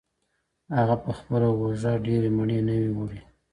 هغه پخپله اوږه ډېري مڼې نه وې وړې.